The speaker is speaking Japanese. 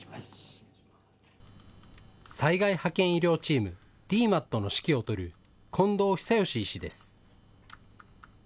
災害派遣医療チーム、ＤＭＡＴの指揮を執る近藤久禎医師です。